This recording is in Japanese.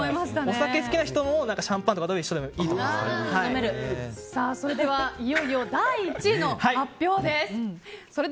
お酒好きな人もシャンパンと一緒でもそれではいよいよ第１位の発表です。